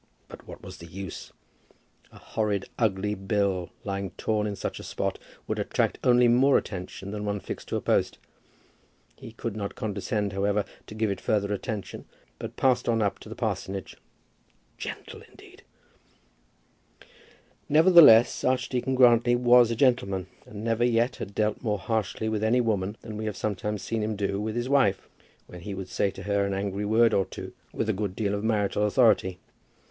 But what was the use? A horrid ugly bill lying torn in such a spot would attract only more attention than one fixed to a post. He could not condescend, however, to give to it further attention, but passed on up to the parsonage. Gentle, indeed! Nevertheless Archdeacon Grantly was a gentleman, and never yet had dealt more harshly with any woman than we have sometimes seen him do with his wife, when he would say to her an angry word or two with a good deal of marital authority.